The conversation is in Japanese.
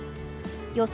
予想